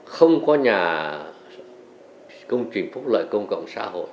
không có nhà công trình phúc lợi công cộng xã hội